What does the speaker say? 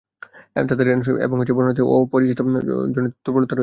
তবে এ সনদে বিচ্ছিন্নতা রয়েছে এবং বর্ণনাটিতে অপরিচিতি জনিত দুর্বলতা রয়েছে।